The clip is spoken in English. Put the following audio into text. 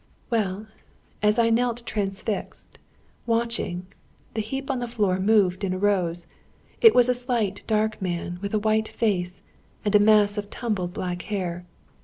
"Well, as I knelt transfixed, watching the heap on the floor moved and arose. It was a slight dark man, with a white face, and a mass of tumbled black hair.